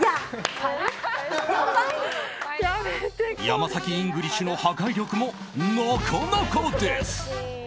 ヤマサキイングリッシュの破壊力もなかなかです。